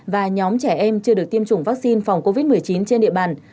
và nhóm trẻ em chưa được tiêm chủng vaccine phòng covid một mươi chín trên địa bàn